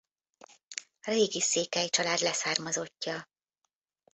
Régi székely család leszármazottja.